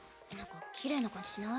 きれいな感じしない？